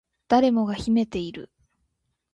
誰もが秘めている